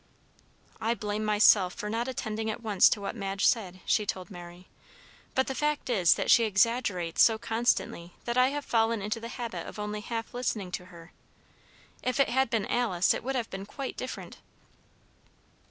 "I blame myself for not attending at once to what Madge said," she told Mary. "But the fact is that she exaggerates so constantly that I have fallen into the habit of only half listening to her. If it had been Alice, it would have been quite different."